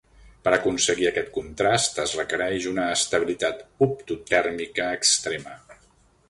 Per aconseguir aquest contrast es requereix una estabilitat optotèrmica extrema.